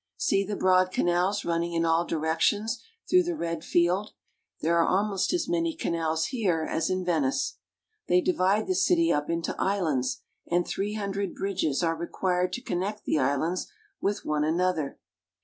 See the broad canals running in all directions through the red field. There are almost as many canals here as in Venice. They divide the city up into islands, and three hundred bridges are required to connect the islands with one another.